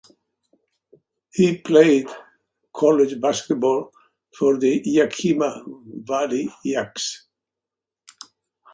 He played college basketball for the Yakima Valley Yaks.